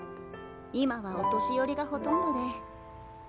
今はお年寄りがほとんどで。